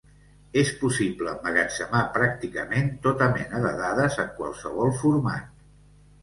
És possible emmagatzemar pràcticament tota mena de dades en qualsevol format.